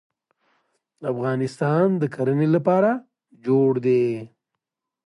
افغانستان د کرنې لپاره جوړ دی.